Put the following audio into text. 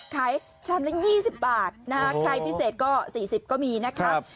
ชามละ๒๐บาทนะคะใครพิเศษก็๔๐ก็มีนะครับ